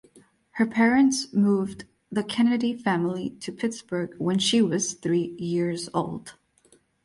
Her parents moved the Kennedy family to Pittsburgh when she was three years old.